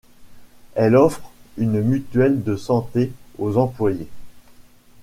Elle offre une mutuelle de santé aux employés.